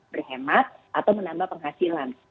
berhemat atau menambah penghasilan